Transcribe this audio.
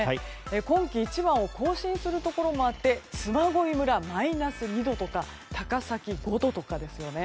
今季一番を更新するところもあって嬬恋村はマイナス２度とか高崎は５度とかですね。